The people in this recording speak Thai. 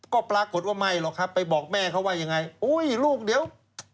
ก็ปรากฏว่าไม่หรอกครับไปบอกแม่เขาว่ายังไงอุ้ยลูกเดี๋ยว